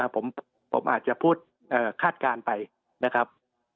ผมอาจจะพูดคาดการณ์ไปนะครับ